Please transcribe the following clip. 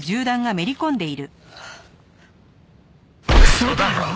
嘘だろ！？